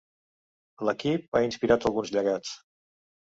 L'equip ha inspirat alguns llegats.